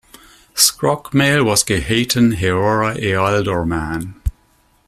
Scrocmail was gehaten heora ealdormann.